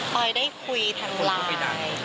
พอยได้คุยทางไลน์